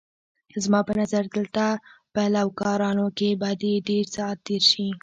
زما په نظر دلته په لوکارنو کې به دې ډېر ساعت تېر شي.